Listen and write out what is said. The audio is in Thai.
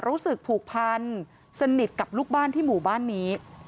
รู้สึกผูกพันสนิทกับลูกบ้านที่หมู่บ้านนี้